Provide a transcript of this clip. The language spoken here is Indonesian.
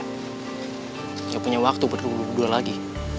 tidak punya waktu berdua lagi